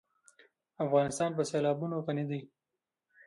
افغانستان په سیلابونه غني دی.